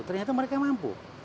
ternyata mereka mampu